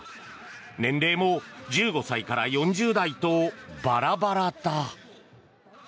年齢も１５歳から４０代とバラバラだ。